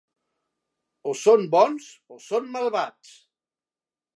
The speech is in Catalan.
O són bons o són malvats.